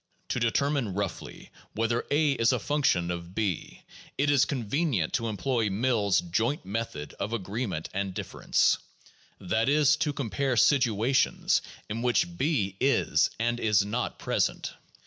To determine roughly whether a is a function of o, it is convenient to employ Mill's "Joint Method of Agreement and Difference," that is, to compare situations in which b is and is not present.